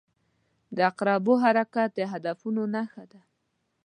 • د عقربو حرکت د هدفونو نښه ده.